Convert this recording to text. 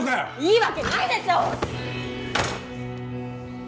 いいわけないでしょ！